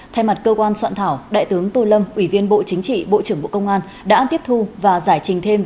thay mặt cơ quan soạn thảo đại tướng tô lâm ủy viên bộ chính trị bộ trưởng bộ công an đã tiếp thu và giải trình thêm